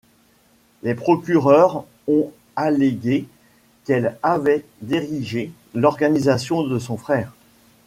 Les procureurs ont allégué qu'elle avait dirigé l'organisation de son frère.